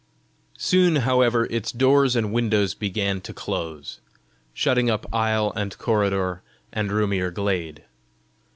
Soon, however, its doors and windows began to close, shutting up aisle and corridor and roomier glade.